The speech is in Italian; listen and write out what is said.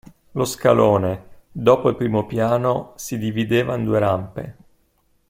Lo scalone, dopo il primo piano, si divideva in due rampe.